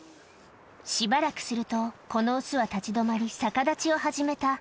しばらくすると、この雄は立ち止まり、逆立ちを始めた。